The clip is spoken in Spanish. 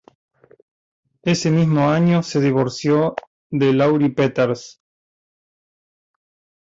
Ese mismo año se divorció de Lauri Peters.